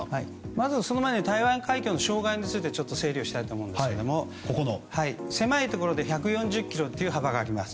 まず、その前に台湾海峡の障害について整理したいと思うんですけれど狭いところで１４０ｋｍという幅があります。